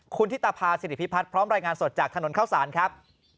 คุณธิตภาษิริพิพัฒน์พร้อมรายงานสดจากถนนเข้าสารครับ